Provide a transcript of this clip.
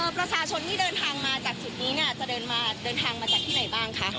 ประชาชนที่เดินทางมาจากจุดนี้เนี่ยจะเดินทางมาจากที่ไหนบ้างคะ